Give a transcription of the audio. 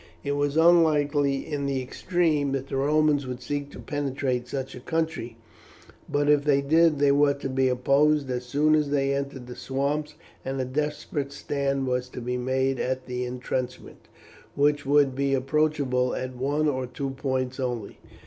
It was unlikely in the extreme that the Romans would seek to penetrate such a country, but if they did they were to be opposed as soon as they entered the swamps, and a desperate stand was to be made at the intrenchment, which would be approachable at one or two points only.